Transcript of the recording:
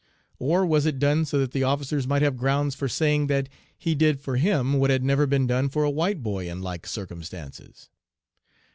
Or was it done so that the officers might have grounds for saying that 'he did for him what had never been done for a white boy in like circumstances?'